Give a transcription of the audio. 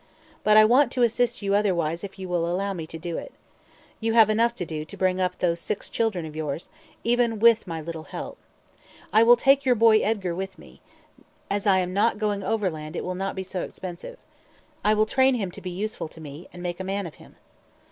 But I want to assist you otherwise if you will allow me to do it. You have enough to do to bring up those six children of yours, even with my little help. I will take your boy Edgar with me; as I am not going overland it will not be so expensive. I will train him to be useful to me, and make a man of him."